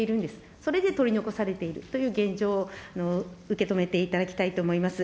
それで取り残されているという現状、受け止めていただきたいと思います。